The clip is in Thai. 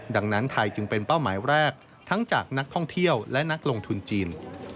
ดังนั้นไทยจึงเป็นเป้าหมายแรกทั้งจากนักท่องเที่ยวและนักลงทุนจีน